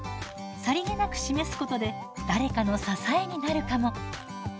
さりげなく示すことで誰かの支えになるかも。